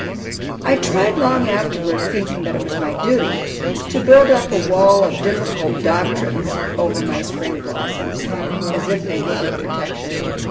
I tried long afterward, thinking that it was my duty, to build up a wall of difficult doctrines over my spring blossoms, as if they needed protection.